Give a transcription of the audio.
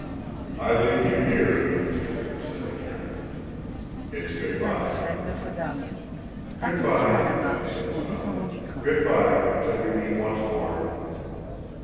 "I leave you here," Mr. Grimm said again. "It's good by." "Good by," she said softly. "Good by, till we meet once more."